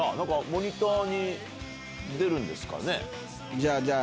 モニターに出るんですかね。